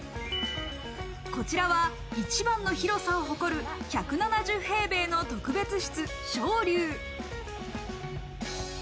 こちらは一番の広さを誇る１７０平米の特別室・昇竜。